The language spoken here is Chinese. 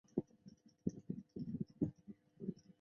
因内哄不断而离开该集团。